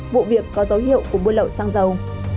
vụ việc có dấu hiệu của buôn lậu xăng dầu